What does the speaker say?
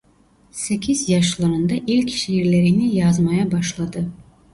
Sekiz yaşlarında ilk şiirlerini yazmaya başladı.